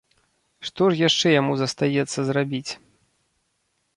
Што ж яшчэ яму застаецца зрабіць?